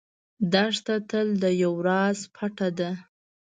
دښته تل د یو راز پټه ده.